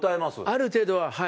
ある程度ははい。